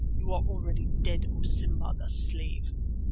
You are already dead, O Simba the slave.